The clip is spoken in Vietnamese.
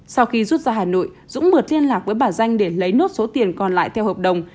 sau khi rút ra hà nội dũng mượn liên lạc với bà danh để lấy nốt số tiền còn lại theo hợp đồng